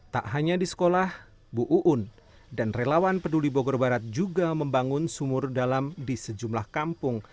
tak hanya di sekolah bu uun dan relawan peduli bogor barat juga membangun sumur dalam di sejumlah kampung